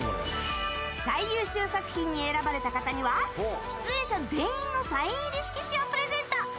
最優秀作品に選ばれた方には出演者全員のサイン入り色紙をプレゼント。